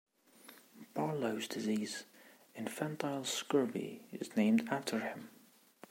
"Barlow's disease" - infantile scurvy - is named after him.